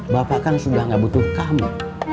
bapak kan sudah gak butuh kami